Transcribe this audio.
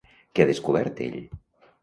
Què ha descobert ell?